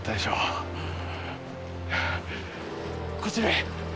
こちらへ。